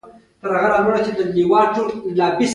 منډه د ژور فکر زمینه برابروي